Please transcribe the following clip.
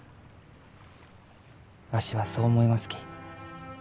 わしはそう思いますき。